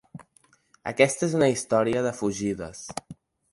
Aquesta és una història de fugides.